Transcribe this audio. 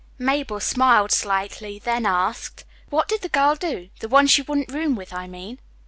Mabel smiled slightly, then asked, "What did the girl do the one she wouldn't room with, I mean?"